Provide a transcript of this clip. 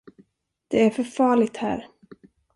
Det är för farligt här.